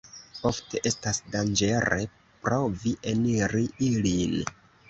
Ofte estas danĝere provi eniri ilin.